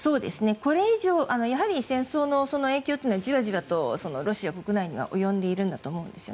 これ以上やはり戦争の影響というのはじわじわとロシア国内には及んでいるんだと思います。